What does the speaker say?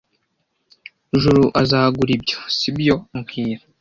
Juru azagura ibyo, sibyo mbwira